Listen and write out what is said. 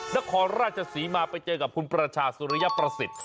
นครราชศรีมาไปเจอกับคุณประชาสุริยประสิทธิ์